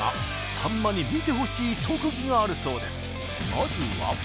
まずは。